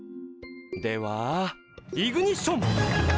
ではイグニッション！